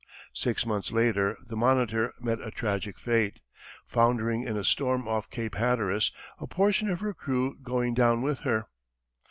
Six months later, the Monitor met a tragic fate, foundering in a storm off Cape Hatteras, a portion of her crew going down with her.